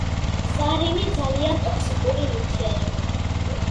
ზარინი ძალიან ტოქსიკური ნივთიერებაა.